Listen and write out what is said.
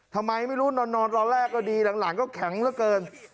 ทำไมไม่รู้นอนตอนแรกก็ดีหลังก็แข็งเหลือเกิน